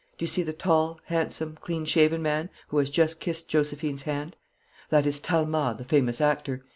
Do you see the tall, handsome, clean shaven man who has just kissed Josephine's hand. That is Talma the famous actor.